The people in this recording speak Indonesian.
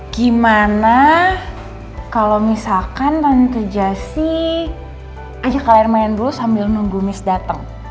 gimana kalau misalkan tante jessy ajak kalian main dulu sambil nunggu miss dateng